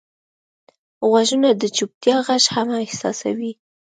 غوږونه د چوپتیا غږ هم احساسوي